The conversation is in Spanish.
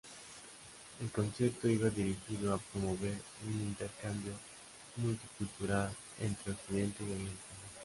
El concierto iba dirigido a promover un intercambio multi-cultural entre Occidente y Oriente.